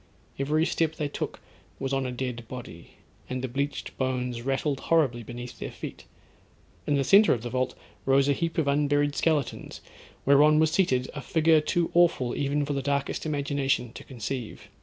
Every step they took was on a dead body; and the bleached bones rattled horribly beneath their feet. In the centre of the vault rose a heap of unburied skeletons, whereon was seated, a figure too awful even for the darkest imagination to conceive.